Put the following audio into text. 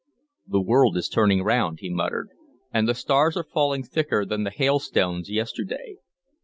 "The world is turning round," he muttered, "and the stars are falling thicker than the hailstones yesterday.